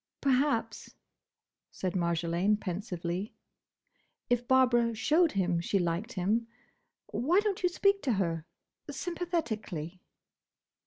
"Perhaps," said Marjolaine, pensively, "if Barbara showed him she liked him—Why don't you speak to her? Sympathetically."